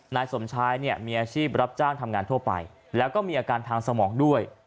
นายสมชายเนี่ยมีอาชีพรับจ้างทำงานทั่วไปแล้วก็มีอาการทางสมองด้วย